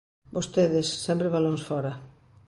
Vostedes, sempre balóns fóra.